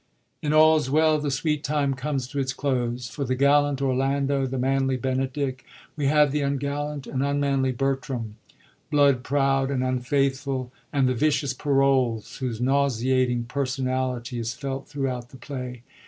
In AlVa Well the sweet time comes to its close ; for the gallant Orlando, the manly Benedick, we have the ungallant and unmanly Bertram, blood proud and un faithfiil, and the vicious Parolles, whose nauseating personality is felt throughout the play.